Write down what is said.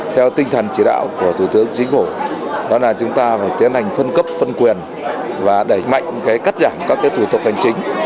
theo tinh thần chỉ đạo của thủ tướng chính phủ đó là chúng ta phải tiến hành phân cấp phân quyền và đẩy mạnh cắt giảm các thủ tục hành chính